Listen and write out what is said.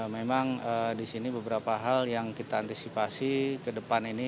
memang di sini beberapa hal yang kita antisipasi ke depan ini